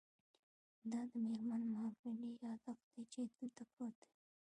دا د میرمن مابرلي یادښت دی چې دلته پروت دی